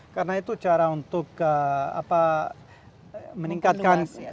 karena itu cara untuk meningkatkan kualitas pendidikan